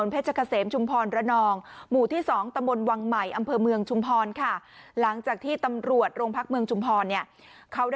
มีศพฝังอยู่ในทรายอยู่ในรถบรรทุกพ่วงคันนั้นกล่าว